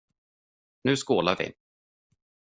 Nu skålar vi.